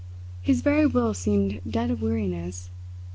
His very will seemed dead of weariness.